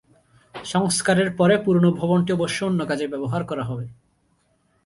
সংস্কারের পরে পুরনো ভবনটি অবশ্য অন্য কাজে ব্যবহার করা হবে।